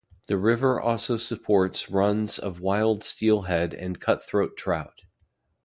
The river also supports runs of wild steelhead and cutthroat trout.